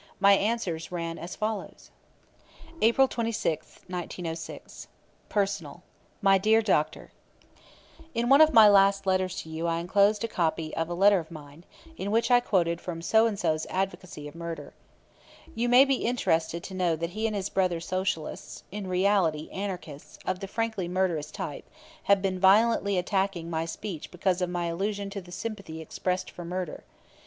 My answers ran as follows: April 26, 1906. "Personal. My dear Doctor: "In one of my last letters to you I enclosed you a copy of a letter of mine, in which I quoted from [So and so's] advocacy of murder. You may be interested to know that he and his brother Socialists in reality anarchists of the frankly murderous type have been violently attacking my speech because of my allusion to the sympathy expressed for murder.